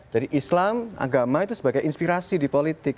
jadi islam agama itu sebagai inspirasi di politik